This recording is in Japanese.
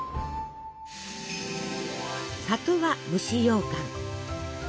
「里」は蒸しようかん。